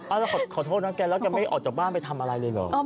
แล้วขอโทษนะแกแล้วแกไม่ออกจากบ้านไปทำอะไรเลยเหรอ